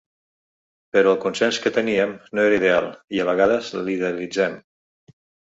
Però el consens que teníem no era ideal, i a vegades l’idealitzem.